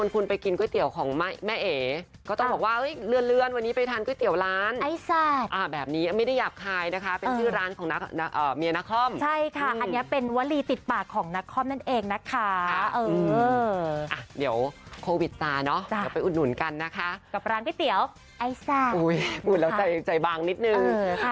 คุณไปกินก๋วยเตี๋ยวของแม่แม่เอ๋ก็ต้องบอกว่าเฮ้ยเรือนเรือนวันนี้ไปทานก๋วยเตี๋ยวร้านไอซาดอ่าแบบนี้อ่ะไม่ได้หยาบคลายนะคะเป็นชื่อร้านของนักเอ่อเมียนักคล่อมใช่ค่ะอันนี้เป็นวลีติดปากของนักคล่อมนั่นเองนะคะเอออ่าเดี๋ยวโควิดตาเนาะจะไปอุดหนุนกันนะคะกับร้านพี่เตี๋ยวไอซาดอุ้ย